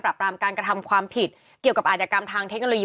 ปราบรามการกระทำความผิดเกี่ยวกับอาจกรรมทางเทคโนโลยี